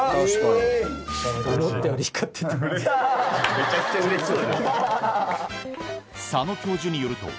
めちゃくちゃうれしそう。